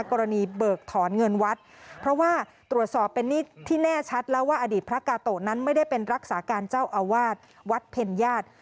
กรณีเบิกถอนเงินวัดเพราะว่าตรวจสอบเป็นหนี้ที่แน่ชัดแล้วว่าอดีตพระกาโตะนั้นไม่ได้เป็นรักษาการเจ้าอาวาสวัดเพ็ญญาติ